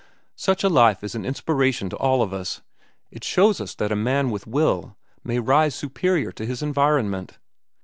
Such a life is an inspiration to all of us. It shows us that a man with will may rise superior to his environment."